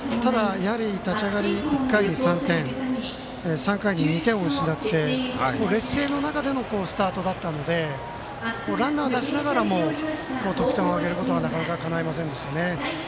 立ち上がり、１回に３点３回に２点を失って劣勢の中でのスタートだったのでランナーを出しながらも得点を挙げることはかないませんでしたね。